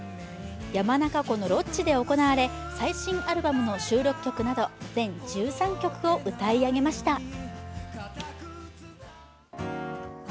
山中湖のロッジで行われ、最新アルバムの収録曲など全１３曲を歌い上げました。